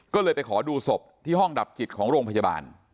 ก็เลยไปขอดูศพที่ห้องดับจิตของโรงพยาบาล